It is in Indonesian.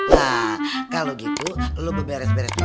nah kalau gitu lu beres beres dulu